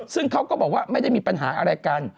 ซึ่งเขาก็บอกว่าไม่ได้มีปัญหาอะไรกัน